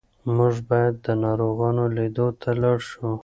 موږ باید د ناروغانو لیدو ته لاړ شو.